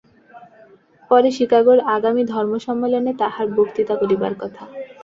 পরে চিকাগোর আগামী ধর্মসম্মেলনে তাঁহার বক্তৃতা করিবার কথা।